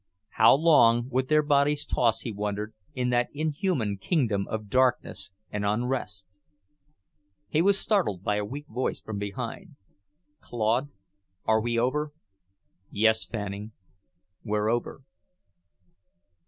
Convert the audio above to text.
How long would their bodies toss, he wondered, in that inhuman kingdom of darkness and unrest? He was startled by a weak voice from behind. "Claude, are we over?" "Yes, Fanning. We're over."